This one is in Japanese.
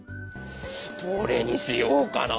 どれにしようかな。